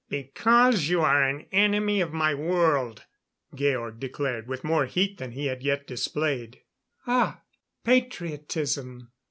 "Because you are an enemy of my world," Georg declared, with more heat than he had yet displayed. "Ah! Patriotism!